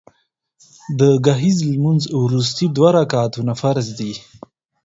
د ګهیځ لمونځ وروستي دوه رکعتونه فرض دي